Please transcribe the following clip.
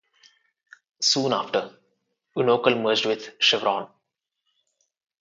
Soon after, Unocal merged with Chevron.